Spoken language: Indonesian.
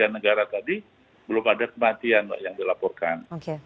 dua puluh tiga negara tadi belum ada kematian pak yang dilaporkan